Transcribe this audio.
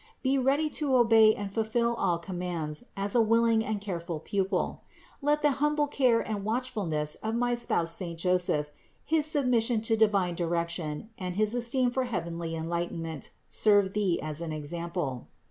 Be ready to obey and fulfill all commands as a willing and careful pupil; let the humble care and watchfulness of my spouse saint Joseph, his submission to divine direc tion and his esteem for heavenly enlightenment, serve thee as an example.